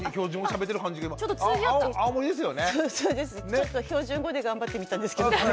ちょっと標準語で頑張ってみたんですけど。